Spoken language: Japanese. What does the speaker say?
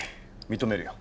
認めるよ。